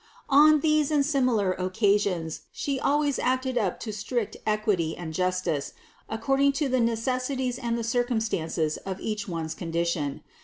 On these and similar occasions, She always acted up to strict equity and justice, according to the necessities and the circumstances of each one's condition.